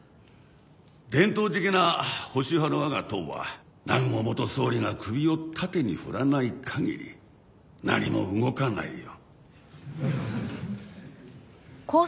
伝統的な保守派のわが党は南雲元総理が首を縦に振らないかぎり何も動かないよ。